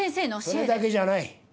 それだけじゃない。